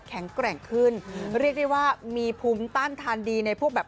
แข็งแกร่งขึ้นเรียกได้ว่ามีภูมิต้านทานดีในพวกแบบ